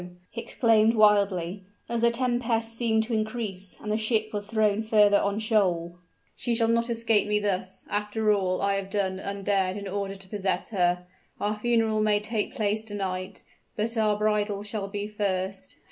he exclaimed wildly, as the tempest seemed to increase, and the ship was thrown further on shoal: "she shall not escape me thus, after all I have done and dared in order to possess her! Our funeral may take place to night but our bridal shall be first.